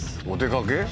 お出かけ？